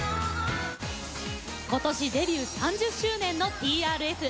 今年デビュー３０周年のＴＲＦ。